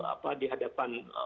apa di hadapan